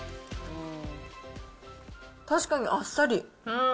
確かにあっさり。